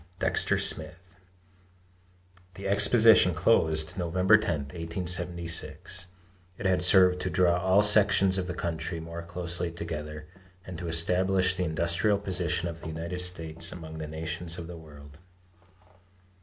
DEXTER SMITH. The exposition closed November 10, 1876. It had served to draw all sections of the country more closely together, and to establish the industrial position of the United States among the nations of the world.